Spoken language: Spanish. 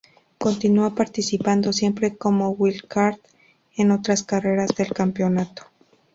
Continua participando, siempre como wildcard, en otras carreras del campeonato.